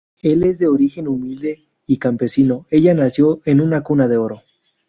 Él es de origen humilde y campesino; ella nació en una cuna de oro.